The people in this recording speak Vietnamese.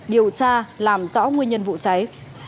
điều tra làm rõ nguyên nhân vụ cháy